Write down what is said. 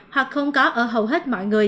hoặc không có ở hầu hết